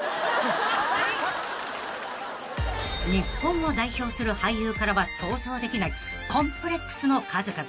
［日本を代表する俳優からは想像できないコンプレックスの数々］